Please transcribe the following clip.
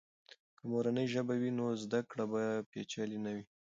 که مورنۍ ژبه وي، نو زده کړه به پیچلې نه سي.